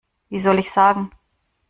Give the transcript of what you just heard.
Wie soll ich sagen?